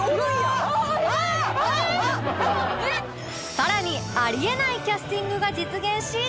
更にあり得ないキャスティングが実現し